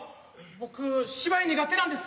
僕芝居苦手なんです。